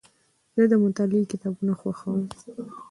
زه د مطالعې کتابونه خوښوم.